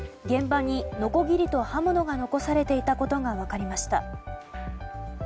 現場に、のこぎりと刃物が残されていたことが分かりました。